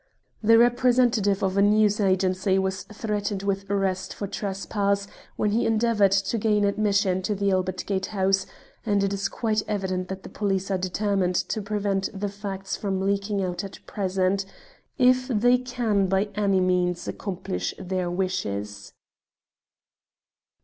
"The representative of a news agency was threatened with arrest for trespass when he endeavoured to gain admission to the Albert Gate house, and it is quite evident that the police are determined to prevent the facts from leaking out at present if they can by any means accomplish their wishes."